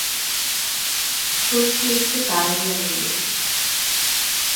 শশী একটু দাড়াইয়া রহিল।